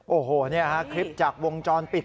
โอ้โหนี่ฮะคลิปจากวงจรปิด